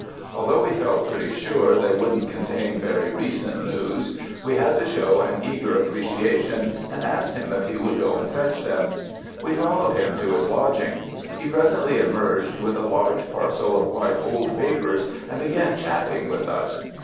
Although we felt pretty sure FIELD SERVICE 121 they would n't contain very recent news, we had to show an eager appreciation and asked him if he would go and fetch them. We followed him to his lodging. He presently emerged with a large par cel of quite old papers and began chatting with us.